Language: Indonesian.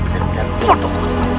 dan benar benar bodoh